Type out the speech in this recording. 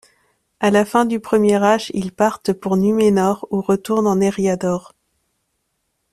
À la fin du Premier Âge, ils partent pour Númenor ou retournent en Eriador.